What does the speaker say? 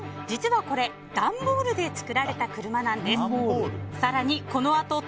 実はこれ段ボールで作られた車なんです。